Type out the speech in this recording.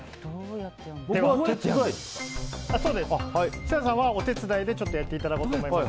設楽さんはお手伝いでやっていただきます。